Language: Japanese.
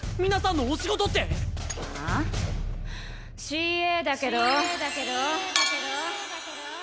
ＣＡだけど。